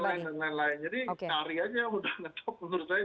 jadi carianya sudah ngetop menurut saya